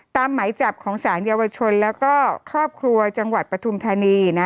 หมายจับของสารเยาวชนแล้วก็ครอบครัวจังหวัดปฐุมธานีนะ